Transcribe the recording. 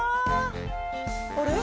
あれ？